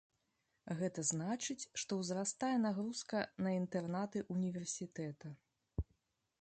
Гэта значыць, што ўзрастае нагрузка на інтэрнаты ўніверсітэта.